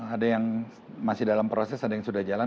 ada yang masih dalam proses ada yang sudah jalan